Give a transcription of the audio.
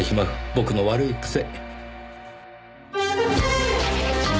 僕の悪い癖。